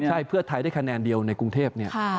ใช่เพื่อไทยได้คะแนนเดียวในกรุงเทพเนี่ย